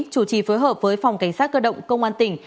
chủ trì phối hợp với phòng cảnh sát cơ động công an tỉnh